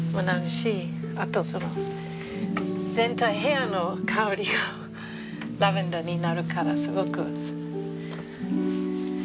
あと部屋の香りがラベンダーになるからすごく。